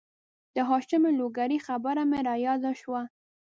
د هاشم لوګرې خبره مې را یاده شوه